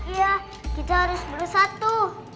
ya kita harus bersatu